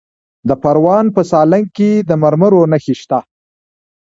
د پروان په سالنګ کې د مرمرو نښې شته.